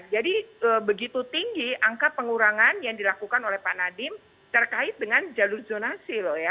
jadi begitu tinggi angka pengurangan yang dilakukan oleh pak nadiem terkait dengan jalur zonasi